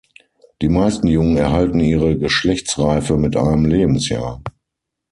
Die meisten Jungen erhalten ihre Geschlechtsreife mit einem Lebensjahr.